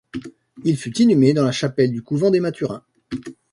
Il fut inhumé dans la chapelle du couvent des Mathurins.